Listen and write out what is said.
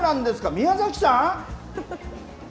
宮崎さん。